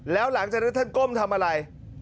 แล้วหลังจากนั้นท่านก้มทำอะไร